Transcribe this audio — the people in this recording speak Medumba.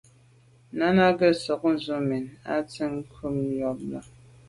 Náná gə̀ sɔ̌k ndzwə́ mɛ̀n zə̄ á tɛ̌n krút jùp bà’.